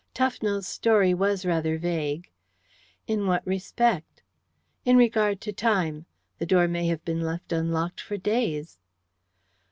"Tufnell's story was rather vague." "In what respect?" "In regard to time. The door may have been left unlocked for days."